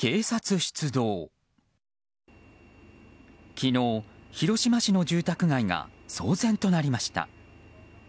昨日、広島市の住宅街が騒然となりました。